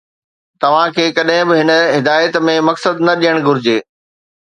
توهان کي ڪڏهن به هن هدايت ۾ مقصد نه ڏيڻ گهرجي